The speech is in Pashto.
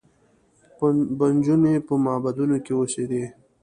به نجونې په معبدونو کې اوسېدې